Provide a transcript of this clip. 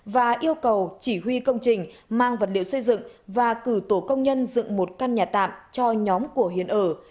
và yêu cầu chỉ huy công trình mang vật liệu xây dựng và cử tổ công nhân dựng một căn nhà tạm cho nhóm của hiền ở